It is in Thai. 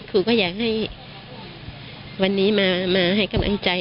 ครูก็อยากให้วันนี้มาให้กำลังใจ